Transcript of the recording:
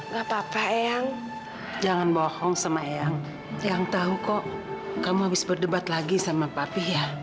enggak papa yang jangan bohong sama yang yang tahu kok kamu habis berdebat lagi sama papi ya